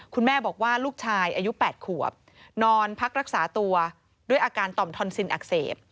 คุณแม่บอกว่าลูกชายอายุ๘ขวบนอนพักรักษาตัวด้วยอาการต่อมทอนซินอักเสบ